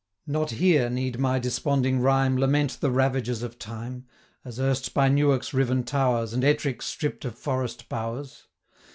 Not here need my desponding rhyme Lament the ravages of time, As erst by Newark's riven towers, 35 And Ettrick stripp'd of forest bowers.